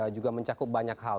juga mencakup banyak hal